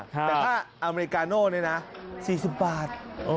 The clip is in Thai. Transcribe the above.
แต่ถ้าอเมริกาโน่นี่นะ๔๐บาท